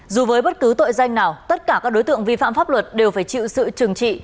dù với bất cứ tội danh nào tất cả các đối tượng vi phạm pháp luật đều phải chịu sự trừng trị